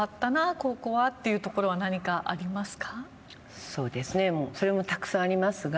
ここはというところは何かありますか？